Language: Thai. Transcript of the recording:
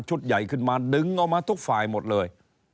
ใหญ่ขึ้นมาดึงออกมาทุกฝ่ายหมดเลย